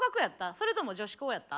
それとも女子校やった？